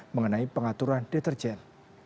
mengenai pengaturan deterjen